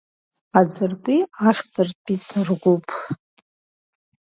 Аӡыркәи ахьӡыртәит ргәыԥ.